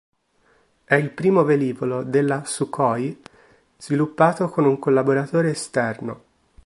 È il primo velivolo della Sukhoi sviluppato con un collaboratore esterno.